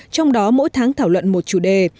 trong đó mỗi tháng thảo luận một chủ đề